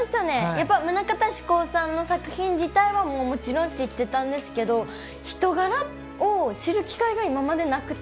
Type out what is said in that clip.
やっぱ棟方志功さんの作品自体はもうもちろん知ってたんですけど人柄を知る機会が今までなくて。